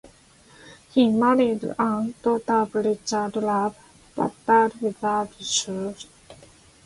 He married Anne, daughter of Richard Love; but died without issue.